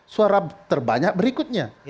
suara terbanyak berikutnya